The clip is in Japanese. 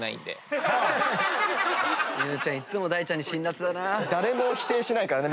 伊野尾ちゃんいつも大ちゃんに辛辣だな。